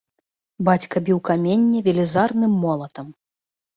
Бацька біў каменне велізарным молатам.